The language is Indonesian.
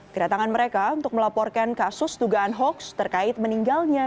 kedatangan mereka untuk melaporkan kasus dugaan hoax terkait meninggalnya